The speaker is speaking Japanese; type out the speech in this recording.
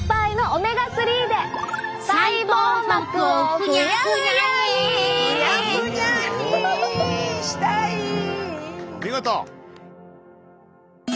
お見事！